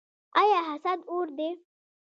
آیا حسد اور دی؟